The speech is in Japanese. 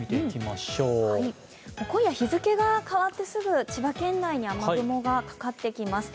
今夜、日付が変わってすぐ千葉県内に雨雲がかかってきます。